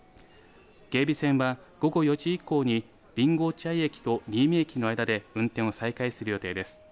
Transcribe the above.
芸備線は午後４時以降に備後落合駅と新見駅の間で運転を再開する予定です。